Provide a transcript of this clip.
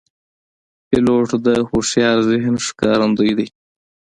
پیلوټ د هوښیار ذهن ښکارندوی دی.